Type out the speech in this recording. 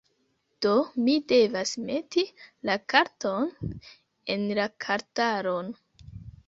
Do, mi devas meti la karton en la kartaron